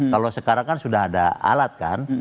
kalau sekarang kan sudah ada alat kan